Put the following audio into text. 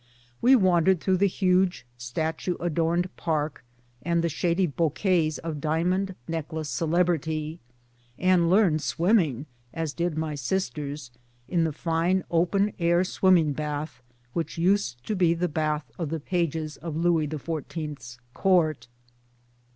We wandered through the huge statue adorned Park and the shady Bos quets of diamond necklace celebrity, and learned swimming as did also my sisters in the fine open air swimming bath, which used to be the bath of the pages of Louis XIV's Court.